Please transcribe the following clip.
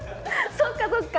そっかそっか。